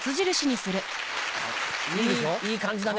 いい感じだね。